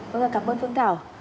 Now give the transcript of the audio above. vâng ạ cảm ơn phương thảo